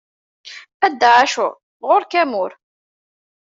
A Dda Ɛacur ɣur-k amur.